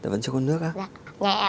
vẫn chưa có nước á